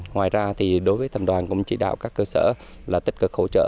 ngoài ra thì đối với thành đoàn cũng chỉ đạo các cơ sở là tích cực hỗ trợ